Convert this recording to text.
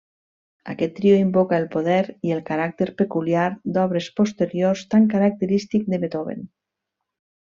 Aquest trio invoca el poder i el caràcter peculiar d'obres posteriors tan característic de Beethoven.